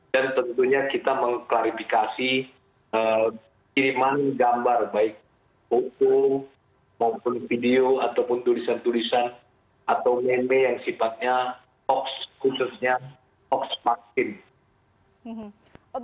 dan tentunya kita mengklarifikasi kiriman gambar baik buku maupun video ataupun tulisan tulisan atau meme yang sifatnya hoax khususnya hoax maksim